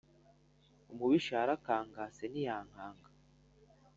Umubisha yarakangase ntiyankanga.